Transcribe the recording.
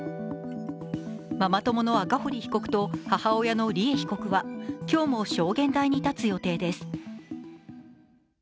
ママ友の赤堀被告と母親の利恵被告は今日も証言台に立つ予定です。